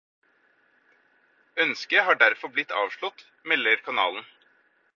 Ønsket har derfor blitt avslått, melder kanalen.